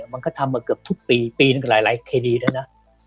มันก็ทำมาเกือบทุกปีปีหนึ่งหลายคดีด้วยนะ